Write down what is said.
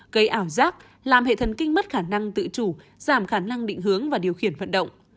gây ảo giác làm hệ thần kinh mất khả năng tự chủ giảm khả năng định hướng và điều khiển vận động